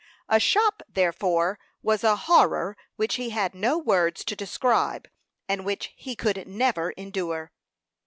A shop, therefore, was a horror which he had no words to describe, and which he could never endure.